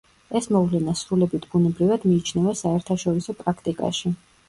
ეს მოვლენა სრულებით ბუნებრივად მიიჩნევა საერთაშორისო პრაქტიკაში.